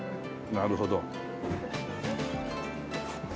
なるほど。